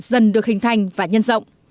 dần được hình thành và nhân rộng